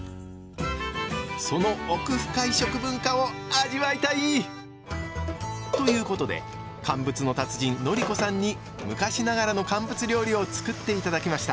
その奥深い食文化を味わいたい！ということで乾物の達人のり子さんに昔ながらの乾物料理をつくって頂きました。